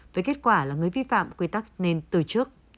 với kết quả là người vi phạm quy tắc nên từ trước